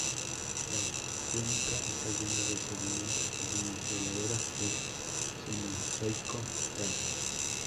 La cuenca está llena de sedimentos marinos de la era del Cenozoico tardío.